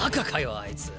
あいつ！